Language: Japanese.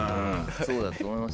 そうだと思います。